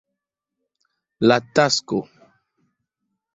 La Tasko.